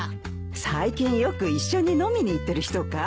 最近よく一緒に飲みに行ってる人かい？